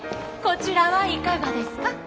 こちらはいかがですか？